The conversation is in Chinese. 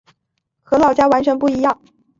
和老家完全不一样